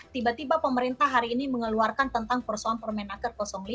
tiba tiba pemerintah hari ini mengeluarkan tentang persoalan permenaker lima